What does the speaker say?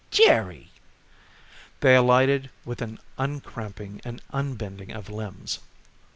"Jerry!" They alighted with an uncramping and unbending of limbs.